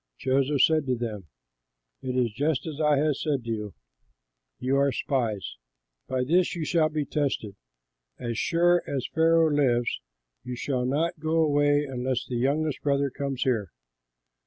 Joseph said to them, "It is just as I said to you, 'You are spies.' By this you shall be tested: as sure as Pharaoh lives you shall not go away unless your youngest brother comes here.